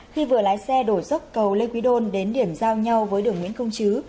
khi vừa lái xe đổ dốc cầu lê quý đôn đến điểm giao nhau với đường nguyễn công chứ